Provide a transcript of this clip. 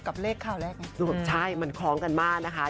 ๙๖๖กับเลขคราวแรกมันคล้องกันมากนะคะ